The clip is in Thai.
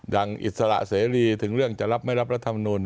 อิสระเสรีถึงเรื่องจะรับไม่รับรัฐมนุน